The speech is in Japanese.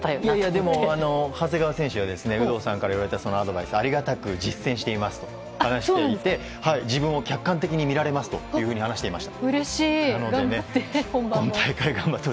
でも、長谷川選手は有働さんから言われたそのアドバイスをありがたく実践していますと話していて自分を客観的に見られますと話していました。